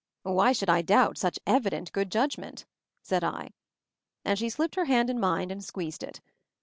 "Why should I doubt such evident good judgment?" said I. And she slipped her hand in mine and squeezed it.